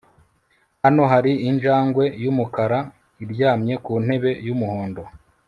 hano hari injangwe yumukara iryamye ku ntebe yumuhondo